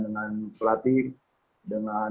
dengan pelatih dengan